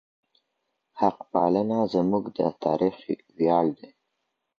حق پالنه زموږ د تاریخ ویاړ دی.